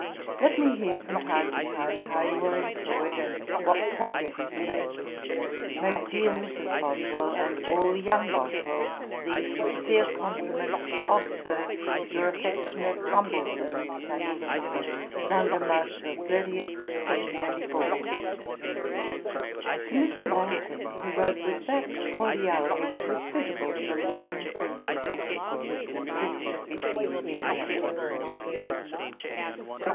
'Let me hear, from time to time, how you are employed, and what progress you make. 'Make dear Mrs. Boswell, and all the young Boswells, the sincere compliments of, Sir, your affectionate humble servant, 'SAM. JOHNSON.' 'London, March 30, 1784.' To Mr. Langton he wrote with that cordiality which was suitable to the long friendship which had subsisted between him and that gentleman.